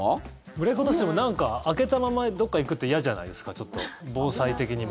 ブレーカー落とすというかなんか開けたままどこか行くって嫌じゃないですかちょっと、防災的にも。